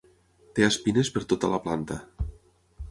Té espines per tota la planta.